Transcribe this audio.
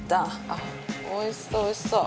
あっおいしそうおいしそう。